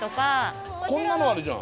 こんなのあるじゃん。